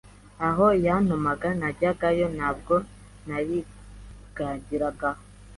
aho yantumaga najyagayo, ntabwo nayigandiraga